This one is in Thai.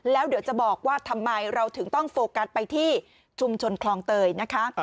แล้วเดี๋ยวจะบอกว่าทำไมเราถึงต้องโฟกัสไปที่ชุมชนคลองเตยนะคะ